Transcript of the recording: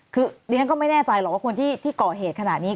คือเรียนก็ไม่แน่ใจหรอกว่าคนที่ก่อเหตุขนาดนี้